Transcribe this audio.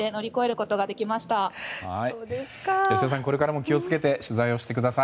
これからも気を付けて取材をしてください。